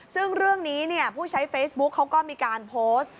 ซึ่งเรื่องนี้ผู้ใช้เฟซบุ๊กเขาก็มีการโพสต์